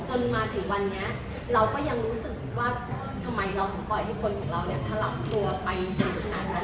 จนถึงวันนี้เราก็ยังรู้สึกว่าทำไมเราถึงปล่อยให้คนของเราเนี่ยสลับตัวไปถึงขนาดนั้น